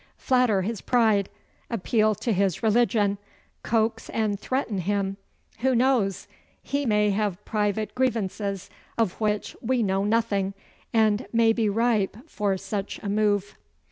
Flatter his pride. Appeal to his religion. Coax and threaten him. Who knows? He may have private grievances of which we know nothing, and may be ripe for such a move.